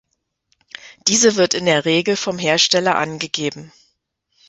Diese wird in der Regel vom Hersteller angegeben.